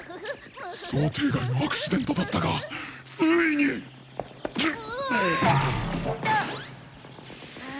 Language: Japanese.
想定外のアクシデントだったがついに！うわ！